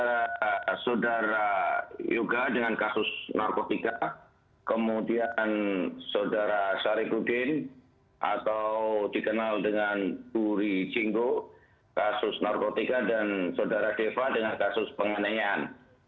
saudara yoga dengan kasus narkotika kemudian saudara sarifudin atau dikenal dengan turi cinggo kasus narkotika dan saudara deva dengan kasus penganeian